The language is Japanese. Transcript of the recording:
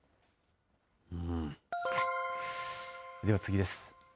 では次です。